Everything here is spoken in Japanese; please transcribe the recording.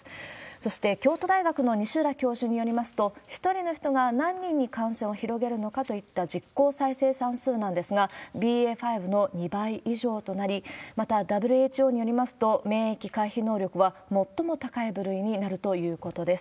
そして、京都大学の西浦教授によりますと、１人の人が何人に感染を広げるのかといった実効再生産数なんですが、ＢＡ．５の２倍以上となり、また、ＷＨＯによりますと、免疫回避能力は最も高い部類になるということです。